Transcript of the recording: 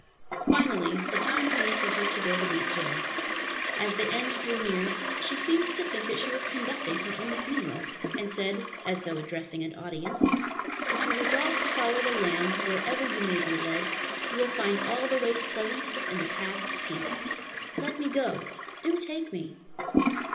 Finally the time came for her to go to meet James. As the end drew near, she seemed to think that she was conducting her own funeral, and said, as though addressing an audience, "If you resolve to follow the Lamb wherever you may be led, you will find all the ways pleasant and the paths peace. Let me go! Do take me!"